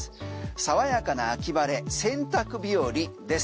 爽やかな秋晴れ、洗濯日和です。